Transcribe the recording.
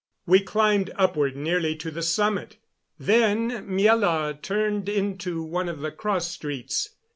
We climbed upward nearly to the summit; then Miela turned into one of the cross streets.